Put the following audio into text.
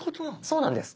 そうなんです。